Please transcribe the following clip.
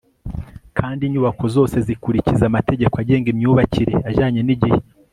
kandi inyubako zose zikurikiza amategeko agenga imyubakire ajyanye n'igihe